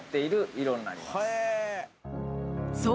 ［そう。